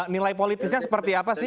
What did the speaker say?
nilai politisnya seperti apa sih